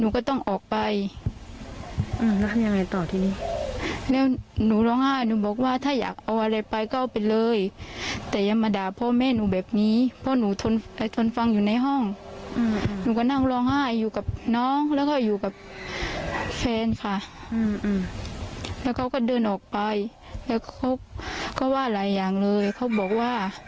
ก็ว่าหลายอย่างเลยเขาบอกว่า